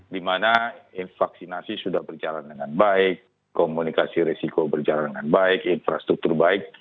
dimana vaksinasi sudah berjalan dengan baik komunikasi risiko berjalan dengan baik infrastruktur baik